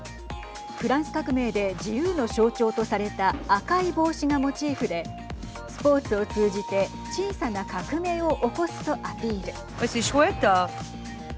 フランス革命で自由の象徴とされた赤い帽子がモチーフでスポーツを通じて小さな革命を起こすとアピール。